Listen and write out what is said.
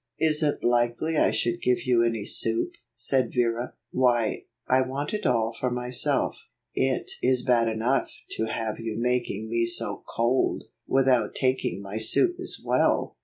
"Is it likely I should give you any soup?" said Vera. "Why, I want it all for myself. It is bad enough to have you making me so cold, without taking my soup as well."